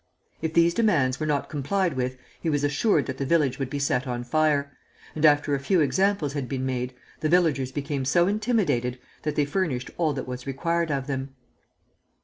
If these demands were not complied with, he was assured that the village would be set on fire; and after a few examples had been made, the villagers became so intimidated that they furnished all that was required of them.